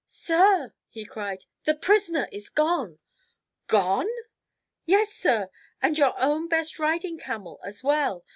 "Sir," he cried, "the prisoner is gone!" "Gone!" "Yes, sir, and your own best riding camel as well.